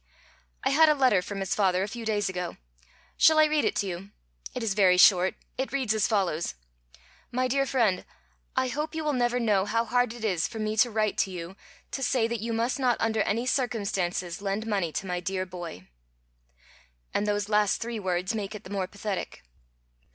"I had a letter from his father a few days ago. Shall I read it to you? It is very short. It reads as follows: "'MY DEAR FRIEND: I hope you will never know how hard it is for me to write to you to say that you must not under any circumstances lend money to my dear boy.' "And those last three words make it the more pathetic.